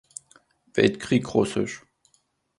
Weltkrieg Russisch.